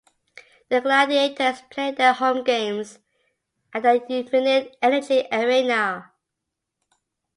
The Gladiators play their home games at the Infinite Energy Arena.